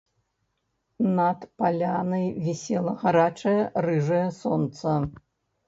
Над палянай вісела гарачае рыжае сонца.